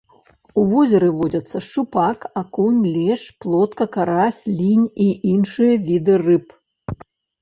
У возеры водзяцца шчупак, акунь, лешч, плотка, карась, лінь і іншыя віды рыб.